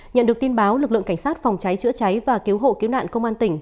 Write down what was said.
nhận được tin báo lực lượng cảnh sát phòng cháy chữa cháy và cứu hộ cứu nạn công an tỉnh